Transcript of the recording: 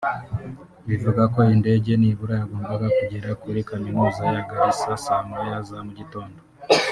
bivuga ko iyi ndege nibura yagombaga kugera kuri Kaminuza ya Garissa saa moya za mu gitondo